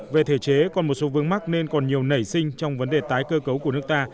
về thể chế còn một số vương mắc nên còn nhiều nảy sinh trong vấn đề tái cơ cấu của nước ta